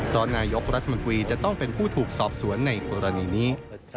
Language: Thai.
เพราะนายกรัฐมนตรีจะต้องเป็นผู้ถูกสอบสวนในกรณีนี้